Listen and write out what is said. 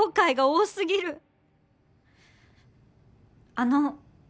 あの。